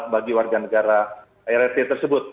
bagi warga negara rrt tersebut